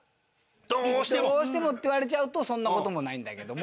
「どうしても」って言われちゃうとそんな事もないんだけども。